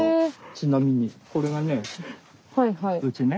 ちなみにこれがねうちね。